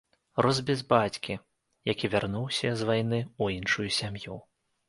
Рос без бацькі, які вярнуўся з вайны ў іншую сям'ю.